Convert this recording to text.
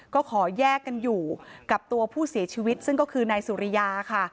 ก็ขอแยกกันอยู่กับตัวผู้เสียชีวิตซึ่งก็คือนายสุริยาค่ะ